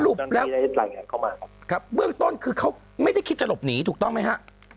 สรุปแล้วเมืองต้นคือเขาไม่ได้คิดจะลบหนีถูกต้องมั้ยฮะ